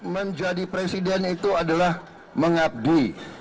menjadi presiden itu adalah mengabdi